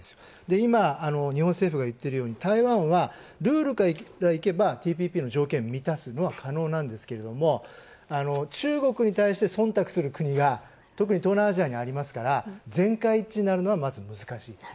今、日本政府が言っているように台湾はルールからいけばＴＰＰの条件を満たすのは可能なんですけども中国に対して忖度する国が、特に東南アジアにありますから全会一致になるのはまず難しい。